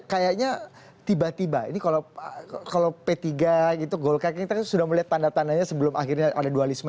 kayaknya tiba tiba ini kalau p tiga gitu golkar ini sudah melihat tanda tandanya sebelum akhirnya ada dualisme